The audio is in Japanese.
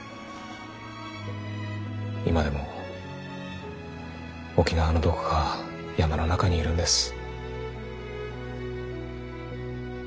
今でも沖縄のどこか山の中にいるんです。